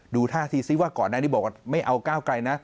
ท่าทีซิว่าก่อนหน้านี้บอกว่าไม่เอาก้าวไกลนะ